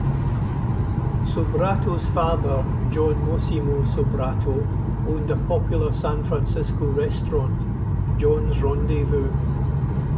Sobrato's father, John Mossimo Sobrato, owned a popular San Francisco restaurant, John's Rendezvous.